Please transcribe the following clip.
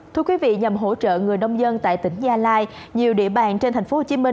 thưa quý vị nhằm hỗ trợ người nông dân tại tỉnh gia lai nhiều địa bàn trên tp hcm